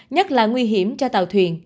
nhất là nguy hiểm cho tàu thuyền